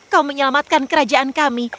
kau menyelamatkan kerajaan kami